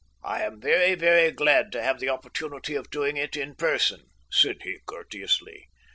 "I am very, very glad to have the opportunity of doing it in person," said he courteously.